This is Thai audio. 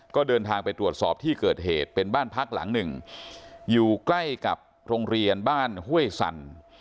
ก็เดินทางไปตรวจสอบที่เกิดเหตุเป็นบ้านพักหลังหนึ่งอยู่ใกล้กับโรงเรียนบ้านห้วยสั่น